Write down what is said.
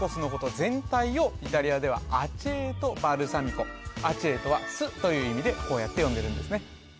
全体をイタリアではアチェート・バルサミコアチェートは酢という意味でこうやって呼んでるんですね